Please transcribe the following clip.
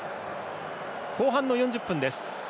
後半の４０分です。